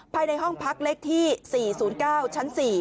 ภายในห้องพักเลขที่๔๐๙ชั้น๔